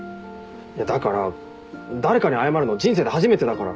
だから誰かに謝るの人生で初めてだから。